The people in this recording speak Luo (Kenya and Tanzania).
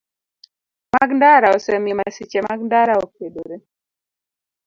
Mag ndara osemiyo masiche mag ndara okedore.